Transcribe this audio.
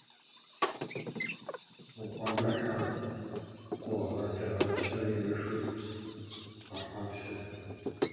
Укъуэмыхьэ, гугъэ-дыгъэ, псэр емышу гъэхъуапсэ.